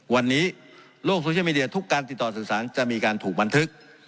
วันนี้โลกโซเชียลมีเดียทุกการติดต่อสื่อสารจะมีการถูกบันทึก